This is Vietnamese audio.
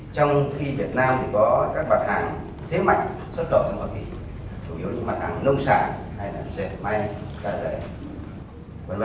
trong khi việt nam thì có các mặt hàng thế mạnh xuất động trong hoa kỳ chủ yếu như mặt hàng nông sản hay là rệt may ca rể v v